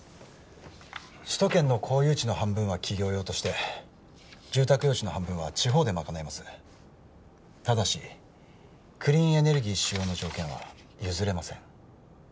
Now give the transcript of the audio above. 首都圏の公有地の半分は企業用として住宅用地の半分は地方で賄いますただしクリーンエネルギー使用の条件は譲れません